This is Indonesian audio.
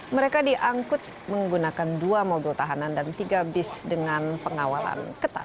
mereka diangkut menggunakan dua mobil tahanan dan tiga bis dengan pengawalan ketat